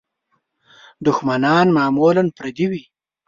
دوښمنان معمولاً پردي وي.